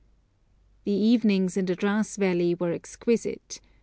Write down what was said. The evenings in the Dras valley were exquisite.